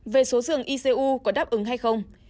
về số giường icu có đáp ứng hay không